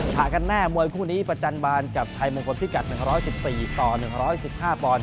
ฉากกันแน่มวยคู่นี้ประจันบานกับชัยมงคลพิกัด๑๑๔ต่อ๑๑๕ปอนด